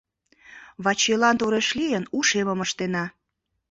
Вачилан тореш лийын, ушемым ыштена...